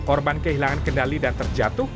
korban kehilangan kendali dan terjatuh